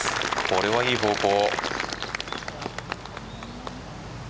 これは、いい方向。